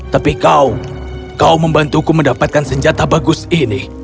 tapi kau kau membantuku mendapatkan senjata bagus ini